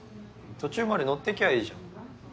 途中まで乗ってきゃいいじゃん。